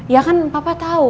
ya kan papa tau